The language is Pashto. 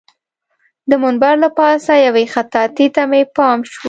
د منبر له پاسه یوې خطاطۍ ته مې پام شو.